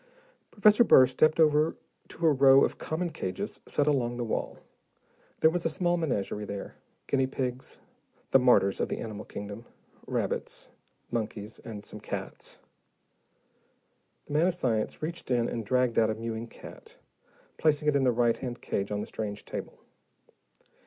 Professor Burr stepped over to a row of common cages set along the wall. There was a small menagerie there, guinea pigs the martyrs of the animal kingdom rabbits, monkeys, and some cats. The man of science reached in and dragged out a mewing cat, placing it in the right hand cage on the strange table.